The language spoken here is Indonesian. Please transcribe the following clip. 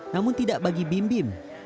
namun tidak bagi bim bim